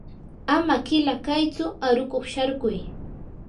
ama qila kaytsu aruqkuq sharkuy.